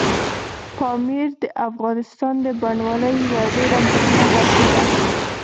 پامیر د افغانستان د بڼوالۍ یوه ډېره مهمه برخه ده.